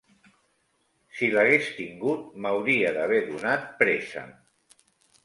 Si l'hagués tingut, m'hauria d'haver donat pressa.